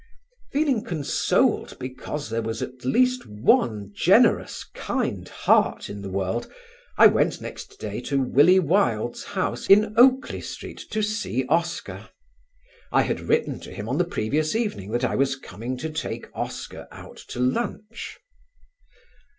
Feeling consoled because there was at least one generous, kind heart in the world, I went next day to Willie Wilde's house in Oakley Street to see Oscar. I had written to him on the previous evening that I was coming to take Oscar out to lunch.